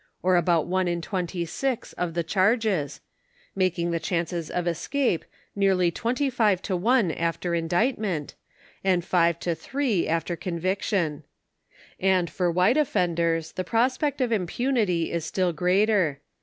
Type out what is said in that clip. or about one in twenty six, of the charges ; making the chances of escape nearly twenty Jive to one after indictment, and five to three aftet 58 . conviction. And for white offenders the prospect of impunity is still greater.